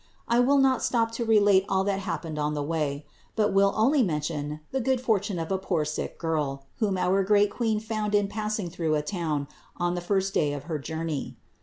I will not stop to relate all that happened on the way, but will only mention the good fortune of a poor sick girl, whom our great Queen found in passing through a town on the first day of her journey.